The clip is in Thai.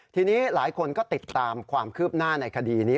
ทีนี้หลายคนก็ติดตามความคืบหน้าในคดีนี้